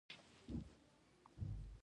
ننګرهار د افغانانو د تفریح یوه وسیله ده.